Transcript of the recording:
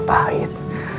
dan kisah pahit